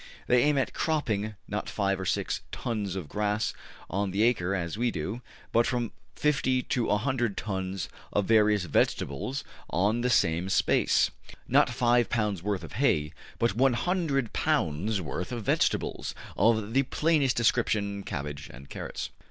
They aim at cropping, not five or six tons of grass on the acre, as we do, but from 50 to 100 tons of various vegetables on the same space; not 5 pound sworth of hay, but 100 pounds worth of vegetables, of the plainest description, cabbage and carrots.